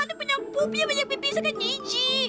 ini punya bubi punya banyak bibi segan nyeji